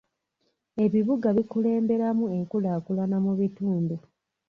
Ebibuga bikulemberamu enkulaakulana mu bitundu.